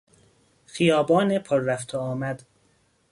خیابان پر رفت و آمد